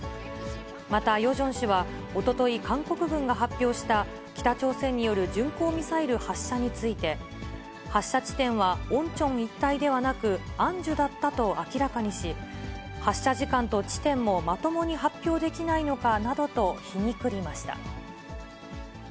またヨジョン氏は、おととい、韓国軍が発表した北朝鮮による巡航ミサイル発射について、発射地点は、オンチョン一帯ではなく、アンジュだったと明らかにし、発射時間と地点もまともに発表できないのかなどと皮肉りました。